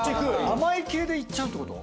甘い系でいっちゃうってこと？